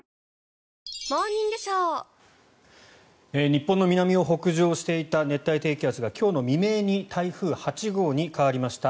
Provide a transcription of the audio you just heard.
日本の南を北上していた熱帯低気圧が今日の未明に台風８号に変わりました。